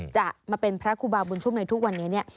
จะมาเป็นพระครูบาบุญชุมในทุกวันนี้เนี่ย